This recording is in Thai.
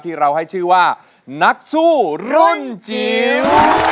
ที่เราให้ชื่อว่านักสู้รุ่นจิ๋ว